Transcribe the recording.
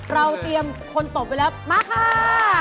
เราเตรียมคนตอบไปแล้วมาค่ะ